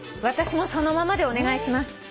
私も「そのまま」でお願いします。